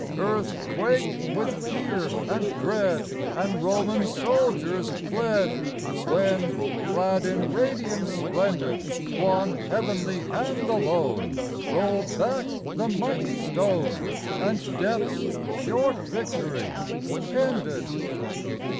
Earth quaked with fear and dread, And Roman soldiers fled, When, clad in radiance splendid, One heavenly hand alone Rolled back the mighty stone, And Death's short victory ended